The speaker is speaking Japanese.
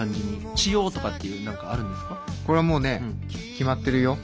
これはもうね決まってるよ。